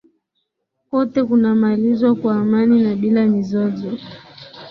kote kunamalizwa kwa amani na bila mizozo